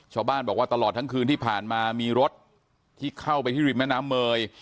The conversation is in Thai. ชาวบ้านบอกว่าตลอดทั้งคืนที่ผ่านมามีรถที่เข้าไปที่ริมแม่น้ำเมย